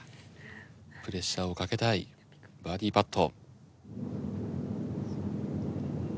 プレッシャーをかけたいバーディパット。